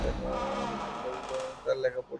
মেজ বৌ-রানী তাহার লেখা পড়িয়াছেন।